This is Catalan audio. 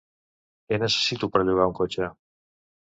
Què necessito per llogar un cotxe?